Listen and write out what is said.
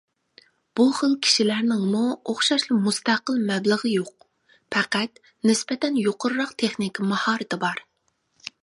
بۇ خىل كىشىلەرنىڭمۇ ئوخشاشلا مۇستەقىل مەبلىغى يوق، پەقەت نىسبەتەن يۇقىرىراق تېخنىكا ماھارىتى بار.